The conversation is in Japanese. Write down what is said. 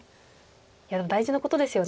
いや大事なことですよね。